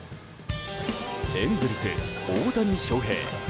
エンゼルス、大谷翔平。